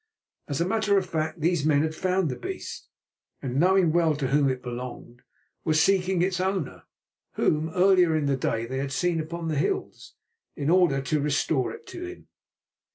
As a matter of fact these men had found the beast, and, knowing well to whom it belonged, were seeking its owner, whom, earlier in the day, they had seen upon the hills, in order to restore it to him.